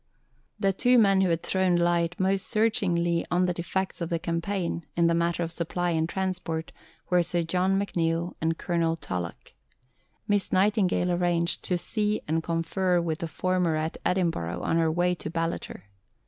The two men who had thrown light most searchingly on the defects of the campaign, in the matter of supply and transport, were Sir John McNeill and Colonel Tulloch. Miss Nightingale arranged to see and confer with the former at Edinburgh on her way to Ballater.